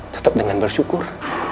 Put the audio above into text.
tetap dengan bersyukur